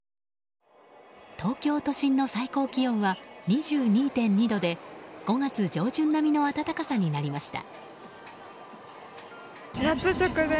東京都心の最高気温は２２．２度で５月上旬並みの暖かさになりました。